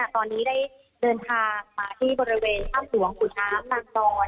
ตอนนี้ได้เดินทางมาที่บริเวณถ้ำหลวงขุนน้ำนางนอน